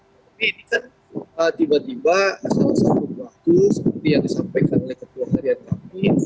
tapi ini kan tiba tiba salah satu waktu seperti yang disampaikan oleh ketua harian kami